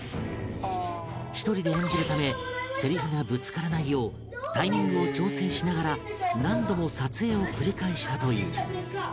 １人で演じるためセリフがぶつからないようタイミングを調整しながら何度も撮影を繰り返したという